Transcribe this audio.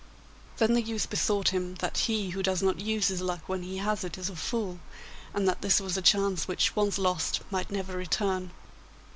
Then the youth bethought him that he who does not use his luck when he has it is a fool, and that this was a chance which once lost might never return.